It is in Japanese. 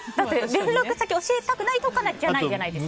連絡先教えたくないとかじゃないじゃないですか。